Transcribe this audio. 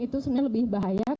itu sebenarnya lebih bahaya